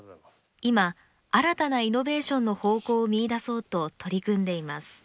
今新たなイノベーションの方向を見いだそうと取り組んでいます。